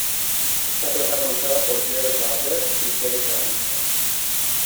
Está protagonizada por Gerard Butler y Jennifer Aniston.